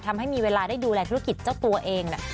ทำให้มีเวลาได้ดูแลธุรกิจเจ้าตัวเอง